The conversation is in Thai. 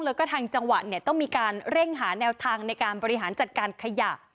แล้วก็ทางจังหวัดเนี่ยต้องมีการเร่งหาแนวทางในการบริหารจัดการขยะ